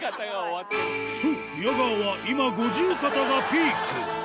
そう、宮川は今五十肩がピーク。